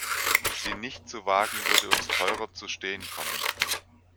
Sie nicht zu wagen, würde uns teurer zu stehen kommen.